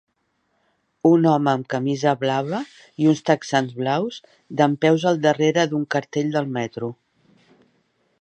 Un home amb camisa blava i uns texans blaus dempeus al darrera d'un cartell del metro.